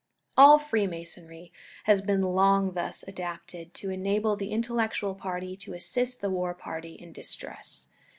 All Freemasonry has been long thus adapted, to enable the intellectual party to assist the war party in distress.